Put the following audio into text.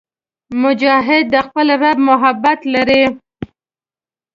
مجاهد د خپل رب محبت لري.